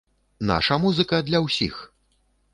Наша музыка для ўсіх!